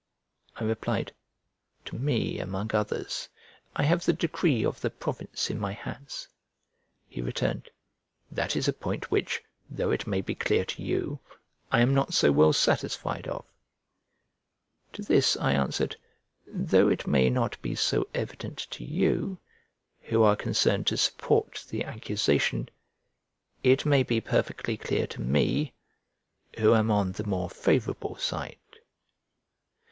I replied, "To me among others; I have the decree of the province in my hands." He returned, "That is a point which, though it may be clear to you, I am not so well satisfied of." To this I answered, "Though it may not be so evident to you, who are concerned to support the accusation, it may be perfectly clear to me, who am on the more favourable side."